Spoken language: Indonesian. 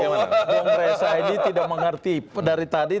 bang reza edi tidak mengerti